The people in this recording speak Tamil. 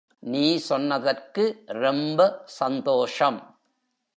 நீ சொன்னதற்கு ரொம்ப சந்தோஷம்.